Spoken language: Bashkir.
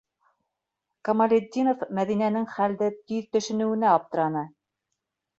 Камалетдинов Мәҙинәнең хәлде тиҙ төшөнөүенә аптыраны: